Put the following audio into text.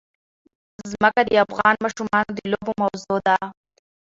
ځمکه د افغان ماشومانو د لوبو موضوع ده.